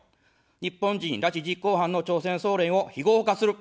日本人拉致実行犯の朝鮮総連を非合法化する。